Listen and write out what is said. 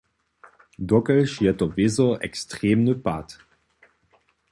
Dokelž je to wězo ekstremny pad.